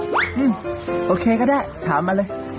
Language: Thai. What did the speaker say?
เฮ้ยโอเคก็ได้ถามมาเลย